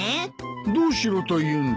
どうしろと言うんだ？